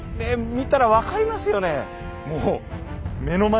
見たら分かりますよね。